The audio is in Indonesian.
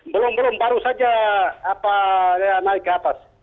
belum belum baru saja naik ke atas